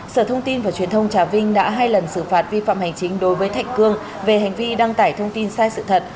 sở thông tin và truyền thông trà vinh đã hai lần xử phạt vi phạm hành chính đối với thạch cương về hành vi đăng tải thông tin sai sự thật